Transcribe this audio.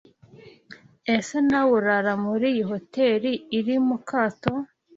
Ese nawe urara muri iyi hoteri iri mukato?